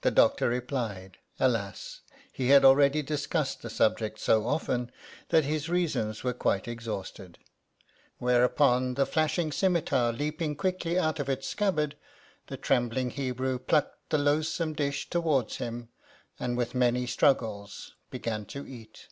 The doctor replied, "Alas ! he had already discussed the subject so often, that his reasons were quite exhausted ;' where upon the flashing cimetar leaping quickly out of its scabbard, the trembling Hebrew plucked the loathsome dish towards him, and with many struggles began to eat.